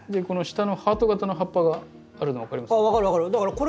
この下のハート形の葉っぱがあるの分かりますか？